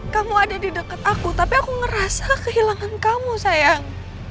kamu ada di dekat aku tapi aku ngerasa kehilangan kamu sayang